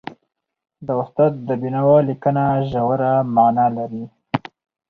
د استاد د بينوا لیکنه ژوره معنا لري.